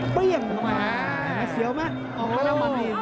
เปรี้ยงไม่เสียวไหม